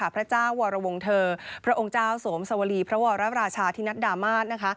พระเจ้าวรวงเทอร์พระองค์เจ้าสวมสวรีพระวรราชาธินัดดามาศนะคะ